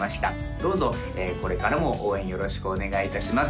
どうぞこれからも応援よろしくお願いいたします